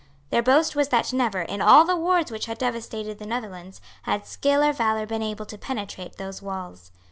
Their boast was that never, in all the wars which had devastated the Netherlands, had skill or valour been able to penetrate those walls.